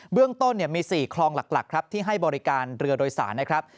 เรื่องต้นมี๔คลองหลักครับที่ให้บริการเรือโดยสารนะครับ